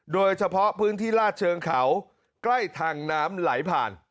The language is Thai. โดยเฉพาะพื้นที่ลาดเชิงเขาใกล้ทางน้ำไหลผ่าน